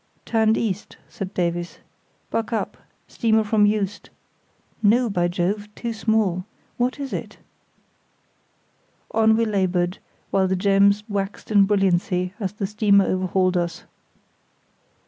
"Turned east," said Davies. "Buck up—steamer from Juist. No, by Jove! too small. What is it?" On we laboured, while the gems waxed in brilliancy as the steamer overhauled us.